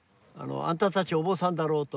「あんたたちお坊さんだろう」と。